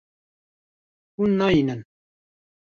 Hûn nayînin.